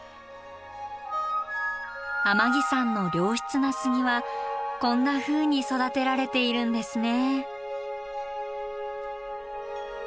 天城山の良質な杉はこんなふうに育てられているんですね。